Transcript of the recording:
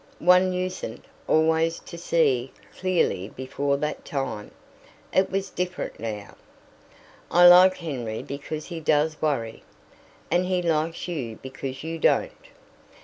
One usen't always to see clearly before that time. It was different now. "I like Henry because he does worry." "And he likes you because you don't."